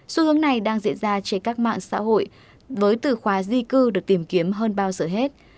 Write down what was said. xu hướng này đang diễn ra trên các mạng xã hội với từ khóa di cư được tìm kiếm hơn bao giờ hết